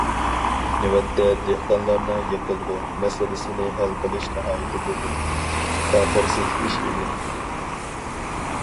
نۆۋەتتە، دېھقانلارنىڭ يېقىلغۇ مەسىلىسىنى ھەل قىلىش ناھايىتى مۇھىم، تەخىرسىز ئىش ئىدى.